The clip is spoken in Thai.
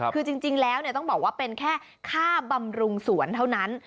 คือจริงแล้วต้องบอกว่าเป็นแค่ค่าบำรุงสวนเท่านั้น